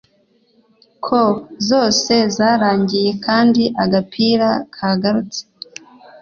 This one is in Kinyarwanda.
ko zose zarangiye kandi agapira kagarutse